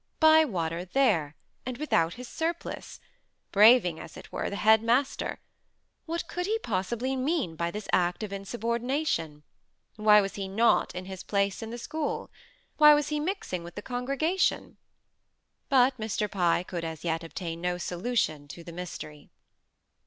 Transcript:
Bywater there! and without his surplice! braving, as it were, the head master! What could he possibly mean by this act of insubordination? Why was he not in his place in the school? Why was he mixing with the congregation? But Mr. Pye could as yet obtain no solution to the mystery.